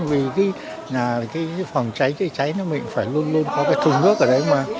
vì cái nhà cái phòng cháy cháy cháy nó phải luôn luôn có cái thùng nước ở đấy mà